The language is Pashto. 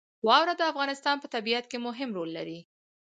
واوره د افغانستان په طبیعت کې مهم رول لري.